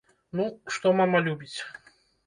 Ну, што мама любіць.